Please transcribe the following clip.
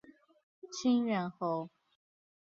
清远侯。